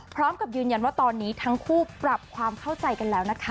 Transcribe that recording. พร้อมกับยืนยันว่าตอนนี้ทั้งคู่ปรับความเข้าใจกันแล้วนะคะ